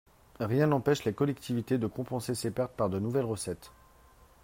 Rien n’empêche les collectivités de compenser ces pertes par de nouvelles recettes.